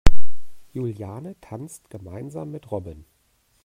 Juliane tanzt gemeinsam mit Robin.